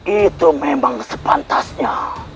itu memang sepantasnya